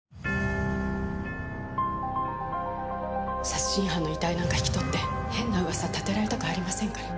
殺人犯の遺体なんか引き取って変な噂を立てられたくありませんから。